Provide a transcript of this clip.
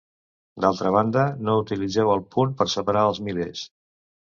D'altra banda, no utilitzeu el punt per separar els milers.